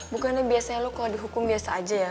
bukannya biasanya lo kalau dihukum biasa aja ya